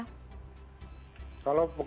kalau pengalaman kami itu kan